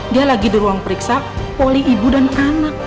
dia lagi di ruang periksa poli ibu dan anak